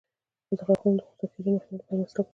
د غاښونو د خوسا کیدو مخنیوي لپاره مسواک وکاروئ